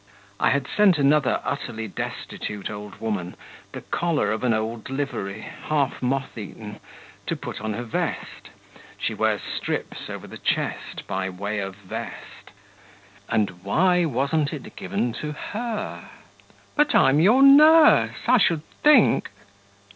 I had sent another utterly destitute old woman the collar of an old livery, half moth eaten, to put on her vest (she wears strips over the chest by way of vest) ... and why wasn't it given to her? 'But I'm your nurse; I should think...